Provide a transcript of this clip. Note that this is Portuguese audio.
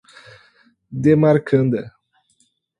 demarcanda